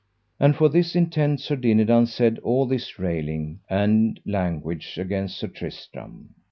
And for this intent Sir Dinadan said all this railing and language against Sir Tristram.